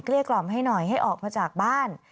เกลี้ยกรอบให้หน่อยให้ออกมาจากบ้าน